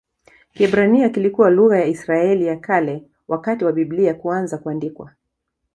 Kiebrania kilikuwa lugha ya Israeli ya Kale wakati wa Biblia kuanza kuandikwa.